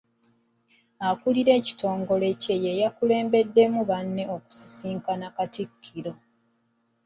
Akulira ekitongole kya y'eyakulembeddemu banne okusisinkana Katikkiro